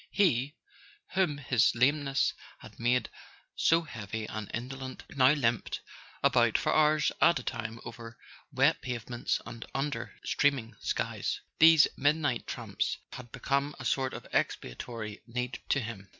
He, whom his lameness had made so heavy and indolent, now limped about for hours at a time over wet pavements and under streaming skies: these midnight tramps had be¬ come a sort of expiatory need to him.